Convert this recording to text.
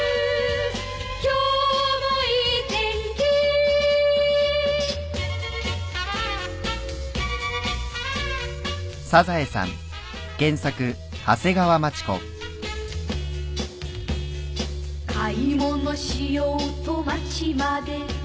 「今日もいい天気」「買い物しようと街まで」